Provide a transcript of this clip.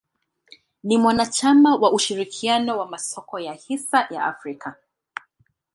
Ni mwanachama wa ushirikiano wa masoko ya hisa ya Afrika.